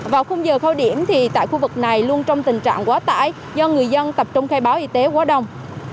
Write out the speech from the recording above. vào khung giờ cao điểm tại khu vực này luôn trong tình trạng quá tải do người dân tập trung khai báo y tế quá đông